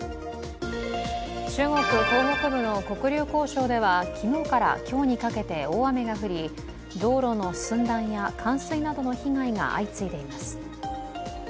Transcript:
中国・東北部の黒竜江省では昨日から今日にかけて、大雨が降り道路の寸断や、冠水などの被害が相次いでいます。